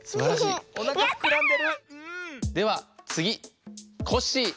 ではつぎコッシー。